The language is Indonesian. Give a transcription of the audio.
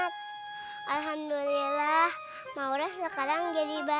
banten kamu masak sendiri ya